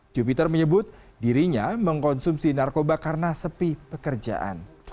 jupiter menyebut dirinya mengkonsumsi narkoba karena sepi pekerjaan